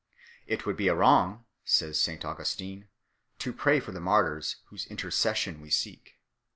It would be a wrong, says St Augustine 5 , to pray for the martyrs whose intercession we seek.